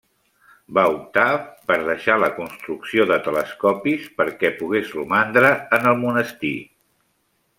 Va optar per deixar la construcció de telescopis perquè pogués romandre en el monestir.